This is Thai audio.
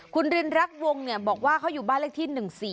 คุณรินรักวงบอกว่าเขาอยู่บ้านเลขที่๑๔